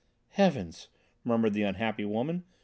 "Heavens," murmured the unhappy woman.